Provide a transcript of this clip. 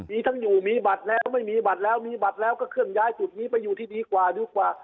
มีทั้งอยู่มีบัตรแล้วไม่มีบัตรแล้วมีบัตรแล้วก็เคลื่อนย้ายจุดนี้ไปอยู่ที่ดีกว่าดีกว่า